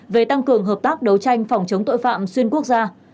về tăng cường hợp tác đấu tranh phòng chống tội phạm xuyên quốc gia